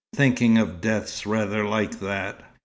Thinking of death's rather like that."